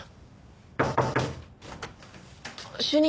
主任！